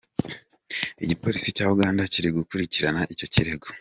Igipolisi cya Uganda kiri gukurikirana icyo kirego.